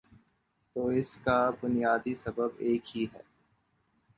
تو اس کا بنیادی سبب ایک ہی ہے۔